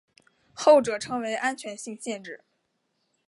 后者称为安全性限制。